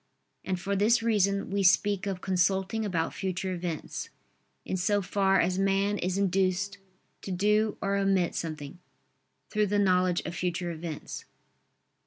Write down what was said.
And for this reason we speak of consulting about future events, in so far as man is induced to do or omit something, through the knowledge of future events.